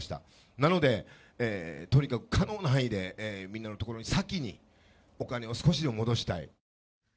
なので、とにかく可能な範囲で、みんなのところに先にお金を少しでも戻したい。